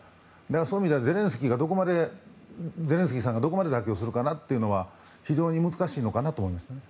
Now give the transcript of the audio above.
そういう意味ではゼレンスキーさんがどこまで妥協するかは非常に難しいのかなと思います。